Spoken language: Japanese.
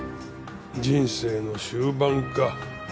人生の終盤か。